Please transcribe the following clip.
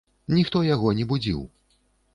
Ніхто яго не будзіў.